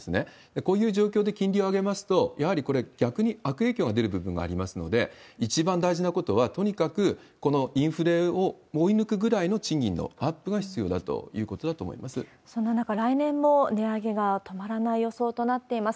こういう状況で金利を上げますと、やはりこれ、逆に悪影響が出る部分もありますので、一番大事なことは、とにかくこのインフレを追い抜くぐらいの賃金のアップが必要だとそんな中、来年も値上げが止まらない予想となっています。